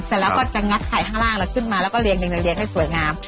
เสร็จแล้วก็จะงัดไข่ข้างล่างแล้วขึ้นมาแล้วก็เรียงให้สวยงาม